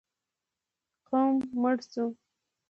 قوم مړ شو.